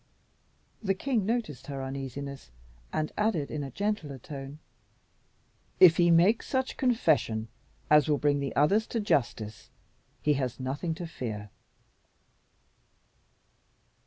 The king noticed her uneasiness, and added, in a gentler tone, "If he makes such confession as will bring the others to justice, he has nothing to fear.